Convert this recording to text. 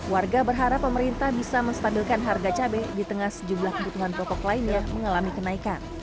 warga berharap pemerintah bisa menstabilkan harga cabai di tengah sejumlah kebutuhan pokok lainnya mengalami kenaikan